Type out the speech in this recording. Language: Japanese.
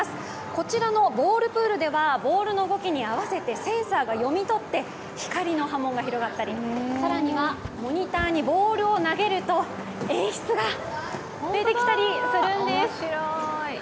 こちのボールプールではボールの動きに合わせてセンサーを読み取って、光の波紋が広がったり更にはモニターにボールを投げると演出が出てきたりするんです。